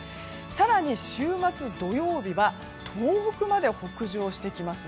更に週末、土曜日は東北まで北上してきます。